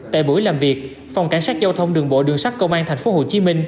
tại buổi làm việc phòng cảnh sát giao thông đường bộ đường sắt công an tp hcm